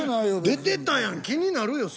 出てたやん気になるよ